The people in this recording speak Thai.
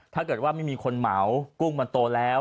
ถ้าเกิดว่าไม่มีคนเหมากุ้งมันโตแล้ว